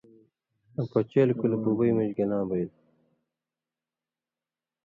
آں پچېل کُلہۡ بُبوئ مژ گلاں بئیل۔